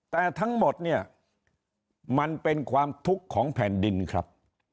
แต่ทั้งหมดเนี่ยมันเป็นความทุกข์ของแผ่นดินครับ